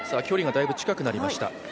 距離がだいぶ近くになりました。